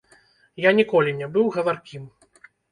Я ніколі не быў гаваркім.